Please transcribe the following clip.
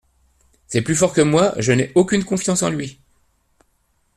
C’est plus fort que moi… je n’ai aucune confiance en lui !…